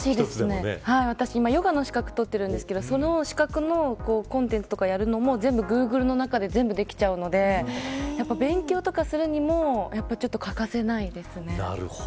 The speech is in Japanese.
私、今ヨガの資格、取ってるんですけどその資格のコンテンツとかやるのもグーグルの中で全部できちゃうので勉強とかするにも欠かせないですね。